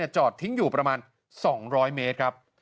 จอดทิ้งอยู่ประมาณ๒๐๐เมตรครับ